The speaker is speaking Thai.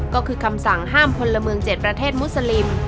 ก็คือคำสั่งห้ามพลเมือง๗ประเทศมุสลิม